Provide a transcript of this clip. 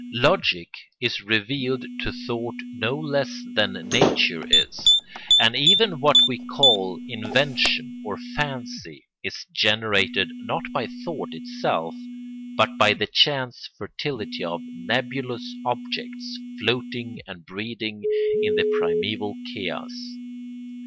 Logic is revealed to thought no less than nature is, and even what we call invention or fancy is generated not by thought itself but by the chance fertility of nebulous objects, floating and breeding in the primeval chaos.